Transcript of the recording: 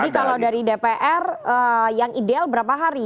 jadi kalau dari dpr yang ideal berapa hari